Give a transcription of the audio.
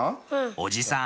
おじさん